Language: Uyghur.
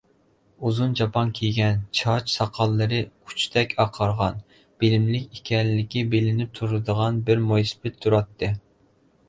ئۇزۇن چاپان كىيگەن، چاچ-ساقاللىرى ئۇچتەك ئاقارغان، بىلىملىك ئىكەنلىكى بىلىنىپ تۇرىدىغان بىر مويسىپىت تۇراتتى.